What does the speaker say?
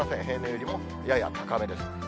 平年よりもやや高めです。